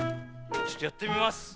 ちょっとやってみます。